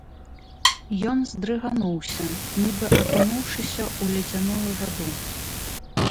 Ён здрыгануўся, нібы акунуўшыся ў ледзяную ваду.